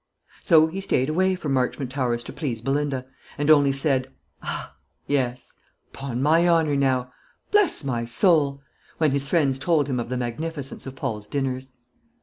So he stayed away from Marchmont Towers to please Belinda; and only said, "Haw," "Yes," "'Pon my honour, now!" "Bless my soul!" when his friends told him of the magnificence of Paul's dinners.